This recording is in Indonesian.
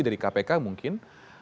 dari kpk mungkin